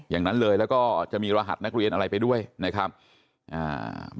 อย่างนั้นเลยแล้วก็จะมีรหัสนักเรียนอะไรไปด้วยนะครับอ่า